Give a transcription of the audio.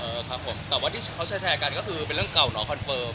ครับผมแต่ว่าที่เขาแชร์กันก็คือเป็นเรื่องเก่าเนาะคอนเฟิร์ม